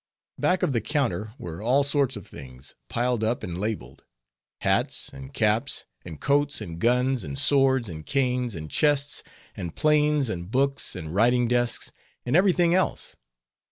Back of the counter were all sorts of things, piled up and labeled. Hats, and caps, and coats, and guns, and swords, and canes, and chests, and planes, and books, and writing desks, and every thing else.